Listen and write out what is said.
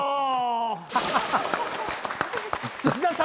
土田さん